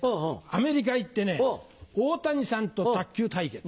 アメリカ行って大谷さんと卓球対決。